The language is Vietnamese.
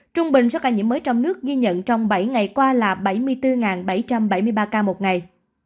trung bình số ca nhiễm mới trong nước ghi nhận trong bảy ngày qua là bảy mươi bốn bảy trăm bảy mươi ba ca một ngày